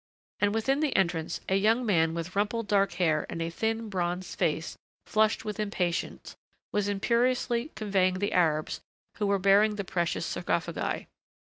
And within the entrance a young man with rumpled dark hair and a thin, bronzed face flushed with impatience was imperiously conveying the Arabs who were bearing the precious sarcophagi.